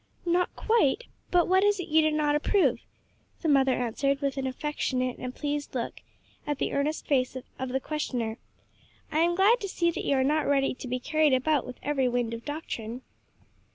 "Not quite, but what is it you do not approve?" the mother answered with an affectionate and pleased look at the earnest face of the questioner. "I am glad to see that you are not ready to be carried about with every wind of doctrine."